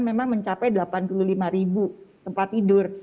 memang mencapai delapan puluh lima ribu tempat tidur